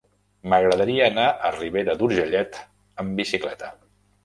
M'agradaria anar a Ribera d'Urgellet amb bicicleta.